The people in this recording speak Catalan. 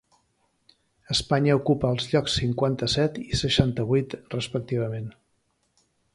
Espanya ocupa els llocs cinquanta-set i seixanta-vuit, respectivament.